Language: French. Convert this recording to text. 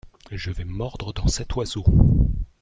Je vais mordre dans cet oiseau.